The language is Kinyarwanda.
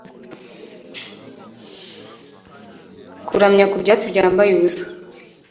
Kuramya ku byatsi byambaye ubusa